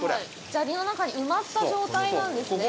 砂利の中に埋まった状態なんですね